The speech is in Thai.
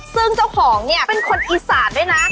ซึ่งเจ้าของเนี่ยเป็นคนอีสานด้วยนะ